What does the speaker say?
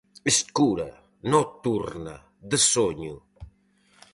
Escura, nocturna, de soño.